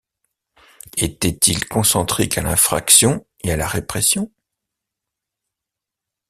Était-il concentrique à l’infraction et à la répression?